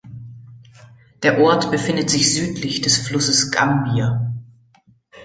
Der Ort befindet sich südlich des Flusses Gambia.